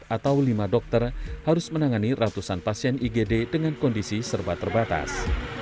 atau lima dokter harus menangani ratusan pasien igd dengan kondisi serba terbatas